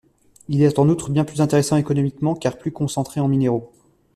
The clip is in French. Il est en outre bien plus intéressant économiquement car plus concentré en minéraux.